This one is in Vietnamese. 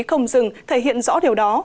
không dừng thể hiện rõ điều đó